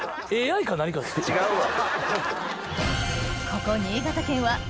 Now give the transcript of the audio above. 違うわ。